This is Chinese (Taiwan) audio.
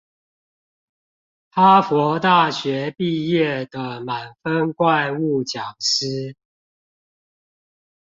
哈佛大學畢業的滿分怪物講師